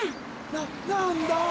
ななんだ？